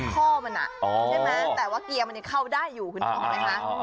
ข้อมันอ่ะใช่ไหมแต่ว่าเกียร์มันยังเข้าได้อยู่คุณคุณคุณนะ